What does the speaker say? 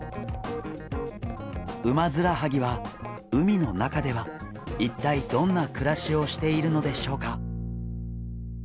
ウマヅラハギは海の中では一体どんな暮らしをしているのでしょうか？